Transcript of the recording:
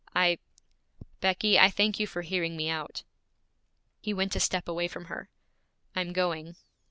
'I Becky, I thank you for hearing me out.' He went a step away from her. 'I'm going.'